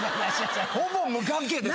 ほぼ無関係です。